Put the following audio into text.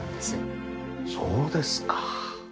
そうですか。